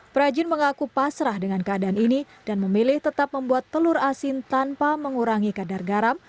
perajin mengaku pasrah dengan keadaan ini dan memilih tetap membuat telur asin tanpa mengurangi kadar garam